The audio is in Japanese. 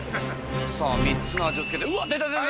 さぁ３つの味を付けてうわ出た出た出た！